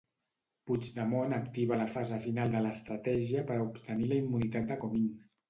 Puigdemont activa la fase final de l'estratègia per a obtenir la immunitat de Comín.